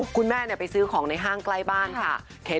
คุณแม่ไปซื้อของในห้างใกล้บ้านค่ะ